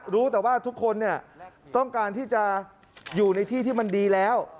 รู้แต่ว่าทุกคนต้องการที่จะอยู่ในที่ที่มันดีแล้ว